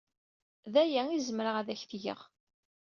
D aya ay zemreɣ ad ak-t-geɣ.